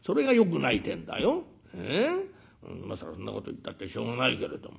今更そんなこと言ったってしょうがないけれども。